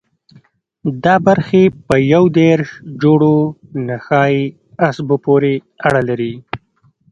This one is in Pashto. دا برخې په یو دېرش جوړو نخاعي عصبو پورې اړه لري.